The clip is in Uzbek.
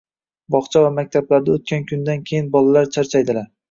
bog‘cha va maktabda o‘tgan kundan keyin bolalar charchaydilar